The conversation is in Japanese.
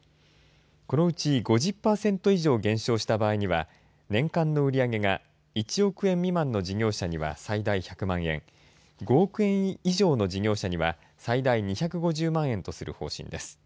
このうち５０パーセント以上減少した場合には年間の売り上げが１億円未満の事業者には最大１００万円５億円以上の事業者には最大２５０万円とする方針です。